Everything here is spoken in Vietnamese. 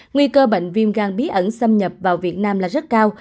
nguy cơ bệnh viêm gan bí ẩn xâm nhập vào việt nam là rất cao